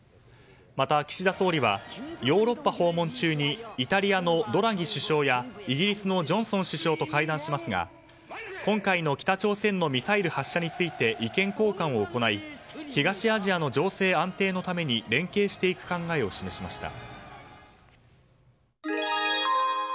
また、岸田総理はヨーロッパ訪問中にイタリアのドラギ首相やイギリスのジョンソン首相と会談しますが今回の北朝鮮のミサイル発射について意見交換を行い東アジアの情勢安定のために連携していく考えを示しました。